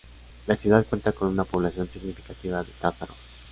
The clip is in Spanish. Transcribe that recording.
La ciudad cuenta con una población significativa de tártaros.